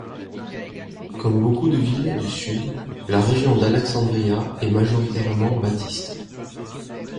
Comme beaucoup de villes du Sud, la région d'Alexandria est majoritairement baptiste.